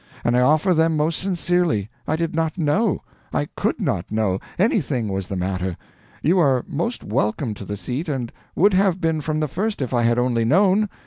And I offer them most sincerely. I did not know I COULD not know anything was the matter. You are most welcome to the seat, and would have been from the first if I had only known.